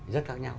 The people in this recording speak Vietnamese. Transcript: rất khác nhau